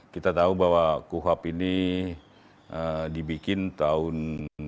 kita tahu bahwa kuhap ini dibikin tahun seribu sembilan ratus delapan puluh satu